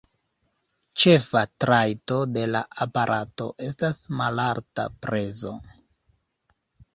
Ĉefa trajto de la aparato estas malalta prezo.